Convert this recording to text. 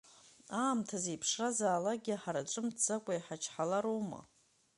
Аамҭа зеиԥшразаалакгьы ҳара ҿымҭӡакәа иҳачҳалароума?!